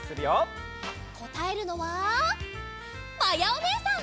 こたえるのはまやおねえさん！